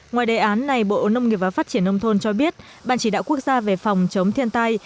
ngoài đề án này bộ nông nghiệp và phát triển nông thôn cho biết ban chỉ đạo quốc gia về phòng chống thiên tai